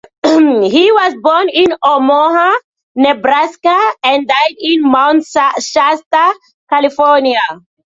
He was born in Omaha, Nebraska and died in Mount Shasta, California.